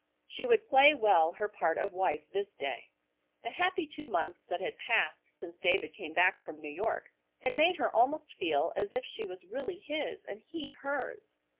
She would play well her part of wife this day. The happy two months that had passed since David came back from New York had made her almost feel as if she was really his and he hers.